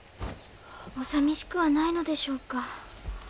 お寂しくはないのでしょうか。